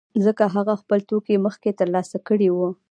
ځکه هغه خپل توکي مخکې ترلاسه کړي وو